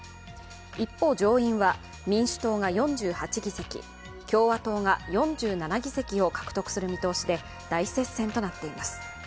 一方、上院は民主党が４８議席、共和党が４７議席を獲得する見通しで大接戦となっています。